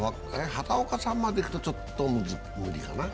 畑岡さんまでいくとちょっと無理かな。